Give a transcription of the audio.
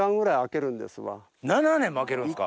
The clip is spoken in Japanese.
７年も空けるんですか！